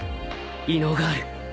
異能がある